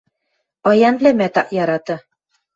Паянвлӓмӓт ак яраты.